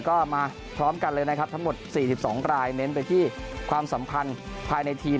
ก็มาพร้อมกันเลยนะครับทั้งหมด๔๒รายเน้นไปที่ความสัมพันธ์ภายในทีม